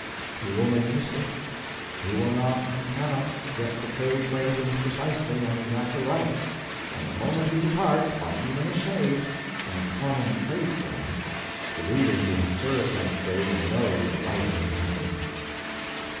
He will make mistakes; he will not, and cannot, get the trade phrasings precisely and exactly right; and the moment he departs, by even a shade, from a common trade form, the reader who has served that trade will know the writer hasn't.